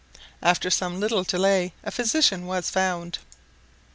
After some little delay a physician was found.